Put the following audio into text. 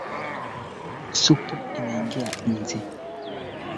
basi kaa ukijua safari yako inaweza isifanikiwe kwa namna moja au nyingine